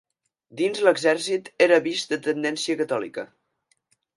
Dins l'exèrcit era vist de tendència catòlica.